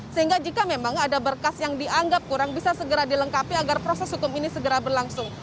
sehingga jika memang ada berkas yang dianggap kurang bisa segera dilengkapi agar proses hukum ini segera berlangsung